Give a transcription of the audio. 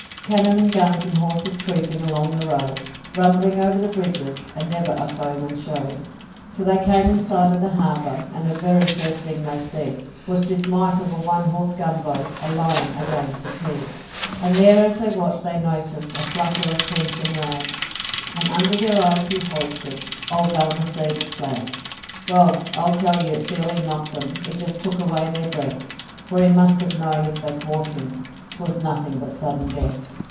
Cannon and guns and horses troopin' along the road, Rumblin' over the bridges, and never a foeman showed Till they came in sight of the harbour, and the very first thing they see Was this mite of a one horse gunboat a lying against the quay, And there as they watched they noticed a flutter of crimson rag, And under their eyes he hoisted old Balmaceda's flag. Well, I tell you it fairly knocked 'em it just took away their breath, For he must ha' known if they caught him, 'twas nothin' but sudden death.